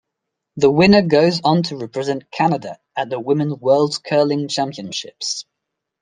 The winner goes on to represent Canada at the women's world curling championships.